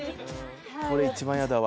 これ一番嫌だわ